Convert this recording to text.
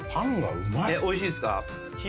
おいしいっすか。